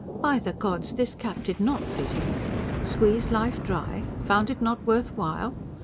By the gods, this cap did NOT fit him! Squeezed life try? ... found it not worth while?